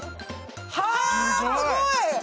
あ、すごい。